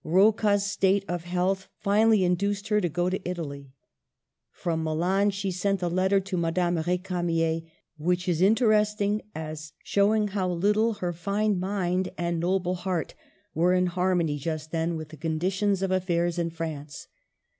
Rocca's state of health finally induced her to go to Italy. From Milan she sent a letter to Madame R^camier, which is interesting as show ing how little her fine mind and noble heart were in harmony just then with the condition of affairs in France.